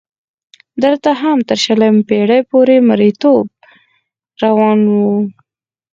دلته هم تر شلمې پېړۍ پورې مریتوب روان و.